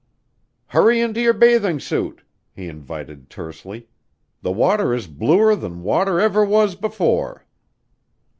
"Hurry into your bathing suit," he invited tersely. "The water is bluer than water ever was before."